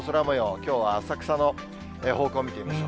きょうは浅草の方向見てみましょう。